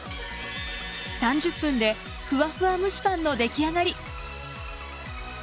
３０分でふわふわ蒸しパンの出来上がり。